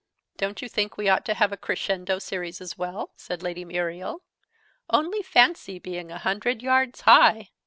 "Don't you think we ought to have a crescendo series, as well?" said Lady Muriel. "Only fancy being a hundred yards high!